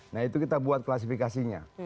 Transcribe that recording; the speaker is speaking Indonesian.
nah itu kita buat klasifikasinya